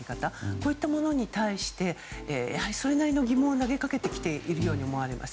こういったものに対してそれなりの疑問を投げかけてきているように思います。